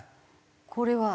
これは？